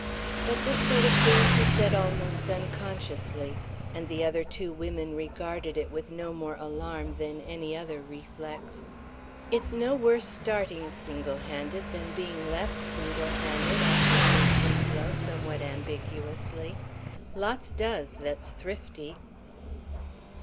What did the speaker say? But this sort of thing she said almost unconsciously, and the other two women regarded it with no more alarm than any other reflex. "It's no worse starting single handed than being left single handed," offered Mis' Winslow somewhat ambiguously. "Lots does that's thrifty."